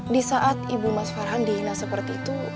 di saat ibu mas farhan dihina seperti itu